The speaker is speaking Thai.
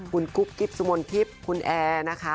คุณกุ๊กกิ๊บสุมนทิพย์คุณแอร์นะคะ